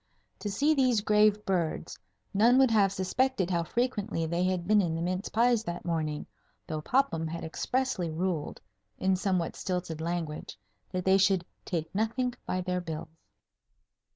To see these grave birds, none would have suspected how frequently they had been in the mince pies that morning, though Popham had expressly ruled (in somewhat stilted language) that they should "take nothink by their bills."